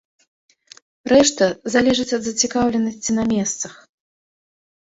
Рэшта залежыць ад зацікаўленасці на месцах.